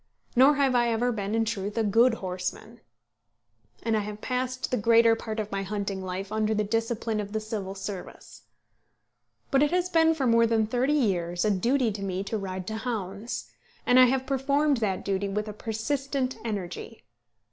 Nor have I ever been in truth a good horseman. And I have passed the greater part of my hunting life under the discipline of the Civil Service. But it has been for more than thirty years a duty to me to ride to hounds; and I have performed that duty with a persistent energy.